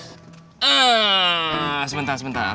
eeeeh sebentar sebentar